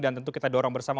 dan tentu kita dorong bersama